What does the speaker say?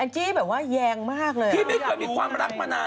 ใช่อ๋อวันนี้ออกแนวทำม้า